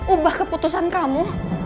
ubah keputusan kamu